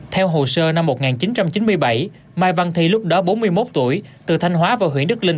theo hồ sơ năm một nghìn chín trăm chín mươi bảy mai văn thi lúc đó bốn mươi một tuổi từ thanh hóa vào huyện đức linh